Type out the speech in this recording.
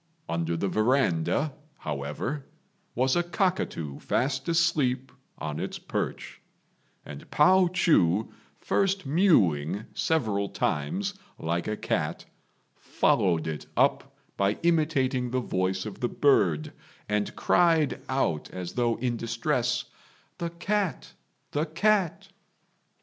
Under the verandah, however, was a cockatoo fast asleep on its perch; and Pao chu first mewing several times like a cat, followed it up by imitating the voice of the bird, and cried out as though in distress, "The cat! the cat!"